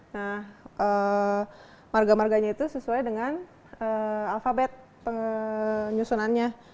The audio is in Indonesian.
nah marga marganya itu sesuai dengan alfabet penyusunannya